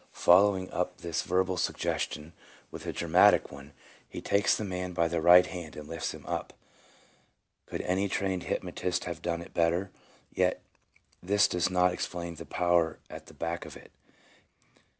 Following up this verbal sug gestion with a dramatic one, he takes the man by the right hand and lifts him up. Could any trained hypnotist have done it better? Yet, this does not explain the power at the back of it.